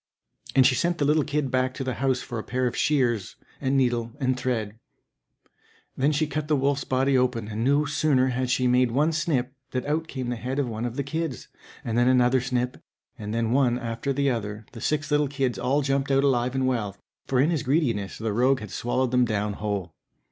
And she sent the little kid back to the house for a pair of shears, and needle, and thread. Then she cut the wolf's body open, and no sooner had she made one snip than out came the head of one of the kids, and then another snip, and then one after the other the six little kids all jumped out alive and well, for in his greediness the rogue had swallowed them down whole.